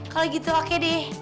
kalau gitu oke deh